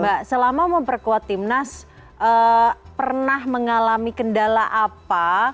mbak selama memperkuat tim nas pernah mengalami kendala apa